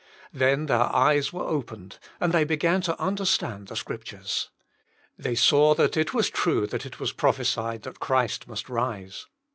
Then their eyes were opened, and they began to understand the Scriptures. They saw that it was true that it was prophesied that Christ must rise.